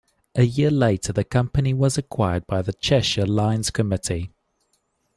A year later the company was acquired by the Cheshire Lines Committee.